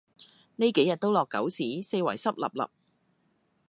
呢幾日都落狗屎，四圍濕 𣲷𣲷